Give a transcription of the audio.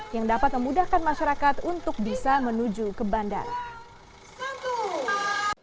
yang dapat memudahkan masyarakat untuk bisa menuju ke bandara